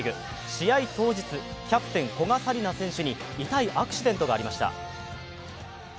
試合当日、キャプテン古賀紗理那選手に痛いアクシデントがありました。